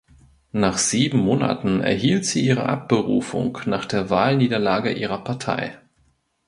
Nach sieben Monaten erhielt sie ihre Abberufung nach der Wahlniederlage ihrer Partei.